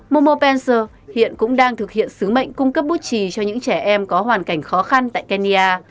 momo pencil hiện cũng đang thực hiện sứ mệnh cung cấp bút trì cho những trẻ em có hoàn cảnh khó khăn tại kenya